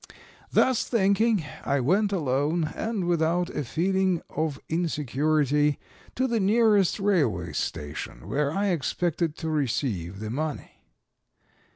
Thus thinking, I went alone, and without a feeling of insecurity, to the nearest railway station, where I expected to receive the money.